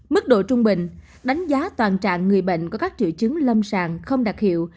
mức độ trung bình đánh giá toàn trạng người bệnh có các triệu chứng lâm sàng không đặc hiệu